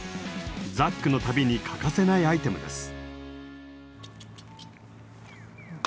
ザックの旅に欠かせないアイテムです。